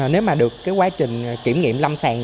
nếu mà được quá trình kiểm nghiệm lâm sàn